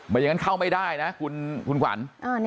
อย่างนั้นเข้าไม่ได้นะคุณขวัญ